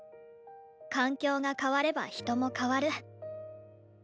環境が変われば人も変わる。